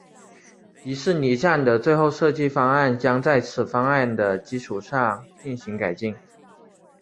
迪士尼站的最后设计方案将在此方案的基础上进行改进。